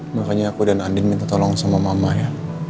makanya aku dan andin minta tolong sama mama ya